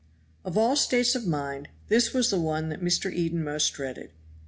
Of all states of mind this was the one Mr. Eden most dreaded.